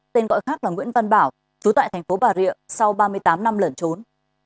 tên gọi khác là nguyễn văn bảo trốn tại tp bà rịa sau ba mươi tám năm lẩn trốn